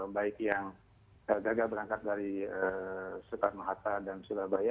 baik yang gagal berangkat dari soekarno hatta dan surabaya